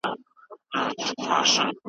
ګورګین دربار ته څو تهمتي لیکونه واستول.